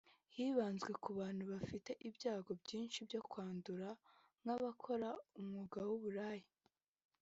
hibanzwe ku bantu bafite ibyago byinshi byo kwandura nk’abakora umwuga w’uburaya